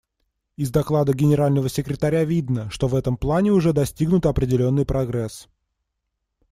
Из доклада Генерального секретаря видно, что в этом плане уже достигнут определенный прогресс.